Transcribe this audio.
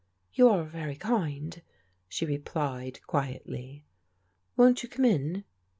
"You are very kind," she replied quietly. "Won't you come in